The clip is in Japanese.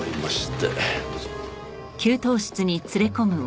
どうぞ。